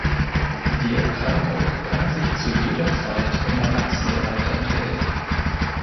Die Erkrankung kann sich zu jeder Zeit im Erwachsenenalter entwickeln.